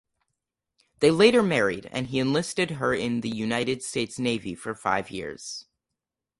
They later married and he enlisted into the United States Navy for five years.